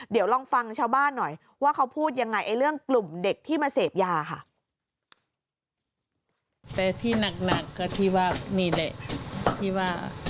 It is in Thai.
เดี๋ยวลองฟังชาวบ้านหน่อยว่าเขาพูดยังไงเรื่องกลุ่มเด็กที่มาเสพยาค่ะ